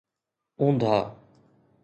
اوندهه